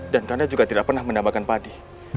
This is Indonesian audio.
dan kanda juga tidak pernah menambahkan padi